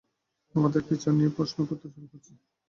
আমাদের বিচার নিয়ে প্রশ্ন করতে শুরু করেছি!